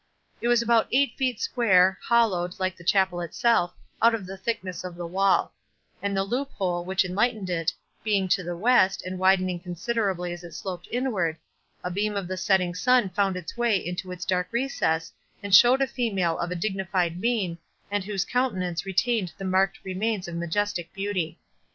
It was about eight feet square, hollowed, like the chapel itself, out of the thickness of the wall; and the loop hole, which enlightened it, being to the west, and widening considerably as it sloped inward, a beam of the setting sun found its way into its dark recess, and showed a female of a dignified mien, and whose countenance retained the marked remains of majestic beauty.